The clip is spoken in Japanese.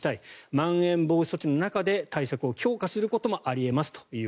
まん延防止措置の中で、対策を強化することもあり得ますと。